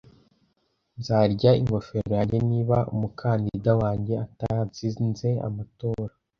nzarya ingofero yanjye niba umukandida wanjye atatsinze amatora